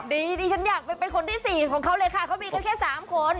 ดิฉันอยากเป็นคนที่สี่ของเขาเลยค่ะเขามีกันแค่๓คน